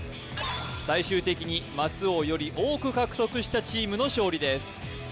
最終的にマスをより多く獲得したチームの勝利です